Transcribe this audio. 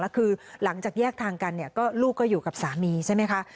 แล้วคือหลังจากแยกทางกันเนี่ยก็ลูกก็อยู่กับสามีใช่ไหมคะ